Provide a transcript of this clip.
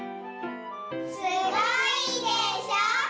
すごいでしょ？